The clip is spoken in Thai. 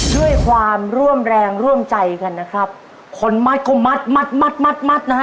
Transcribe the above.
ด้วยความร่วมแรงร่วมใจกันนะครับคนมัดก็มัดมัดมัดนะฮะ